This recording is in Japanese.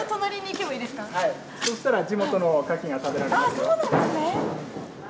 ああそうなんですね。